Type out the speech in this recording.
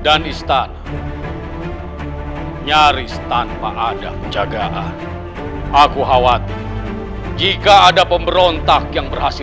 dan istana nyaris tanpa ada penjagaan aku khawatir jika ada pemberontak yang berhasil